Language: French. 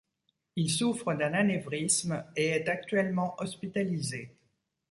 Il souffre d'un anévrisme et est actuellement hospitalisé.